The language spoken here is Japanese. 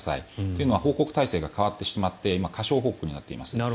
というのは報告体制が変わってしまって今、過少報告になっています。